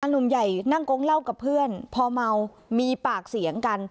หนุ่มใหญ่นั่งโก๊งเล่ากับเพื่อนพอเมามีปากเสียงกัน